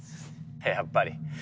やっぱり。